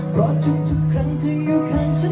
เพราะทุกครั้งที่อยู่ข้างฉัน